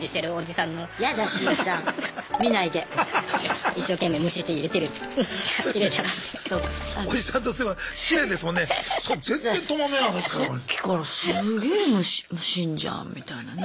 さっきからすんげえむしるじゃんみたいなね。